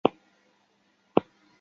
入围从缺。